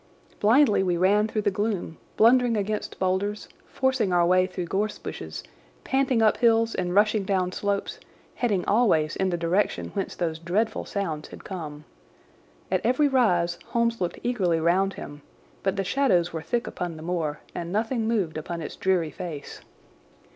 Blindly we ran through the gloom, blundering against boulders, forcing our way through gorse bushes, panting up hills and rushing down slopes, heading always in the direction whence those dreadful sounds had come. At every rise Holmes looked eagerly round him, but the shadows were thick upon the moor, and nothing moved upon its dreary face.